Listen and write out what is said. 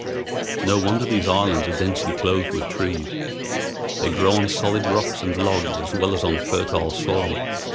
No wonder these islands are densely clothed with trees. They grow on solid rocks and logs as well as on fertile soil.